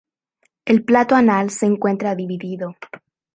El plato anal se encuentra dividido.